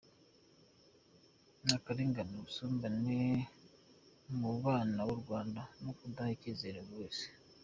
n’akarengane, ubusumbane mu bana b’u Rwanda no kudaha icyizere buri wese